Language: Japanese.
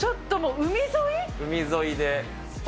海沿いで。